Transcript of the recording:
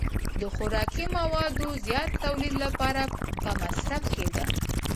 د خوراکي موادو زیات تولید لپاره به مصرف کېده.